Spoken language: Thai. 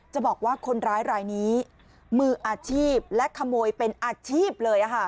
จะบอกว่าคนร้ายรายนี้มืออาชีพและขโมยเป็นอาชีพเลย